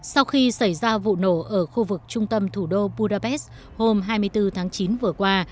sau khi xảy ra vụ nổ ở khu vực trung tâm thủ đô budapest hôm hai mươi bốn tháng chín vừa qua